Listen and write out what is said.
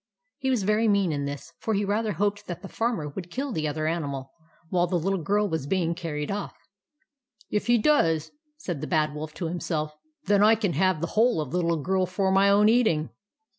He was very mean in this, for he rather hoped that the Farmer would kill the other animal while the little girl was being carried off. " If he does," said the Bad Wolf to him self, " then I can have the whole of the little girl for my own eating."